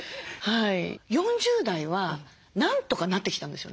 ４０代はなんとかなってきたんですよね。